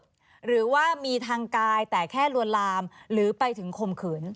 หรือว่ามีทางกายแต่แค่ลวนลามหรือไปถึงข่มขืน